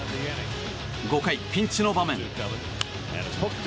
５回、ピンチの場面。